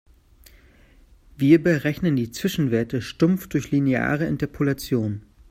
Wir berechnen die Zwischenwerte stumpf durch lineare Interpolation.